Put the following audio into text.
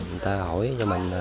người ta hỏi cho mình